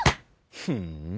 ふん。